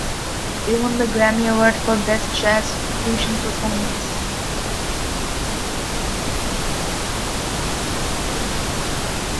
It won the Grammy Award for Best Jazz Fusion Performance.